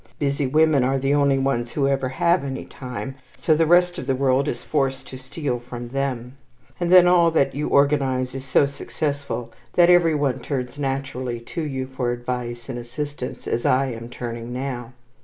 Busy women are the only ones who ever have any time, so the rest of the world is forced to steal from them. And then all that you organize is so successful that every one turns naturally to you for advice and assistance, as I am turning now.